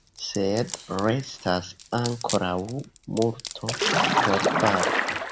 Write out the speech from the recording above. Sed restas ankoraŭ multo por fari.